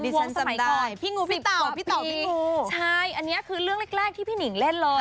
พี่งูฟิตเตาพี่เตาพี่งูพี่เตาใช่อันนี้คือเรื่องแรกที่พี่นิ่งเล่นเลย